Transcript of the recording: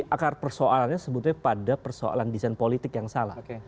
akar persoalannya sebetulnya pada persoalan desain politik yang salah